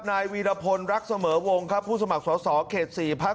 นายวีรพลรักเสมอวงครับผู้สมัครสอสอเขต๔พัก